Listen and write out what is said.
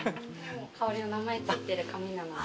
香りの名前付いてる紙なので。